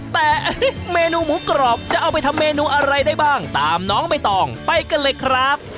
แต่เมนูหมูกรอบจะเอาไปทำเมนูอะไรได้บ้างตามน้องใบตองไปกันเลยครับ